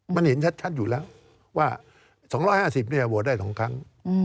มันเห็นชัดอยู่แล้วว่า๒๕๐โหวตได้๒ครั้ง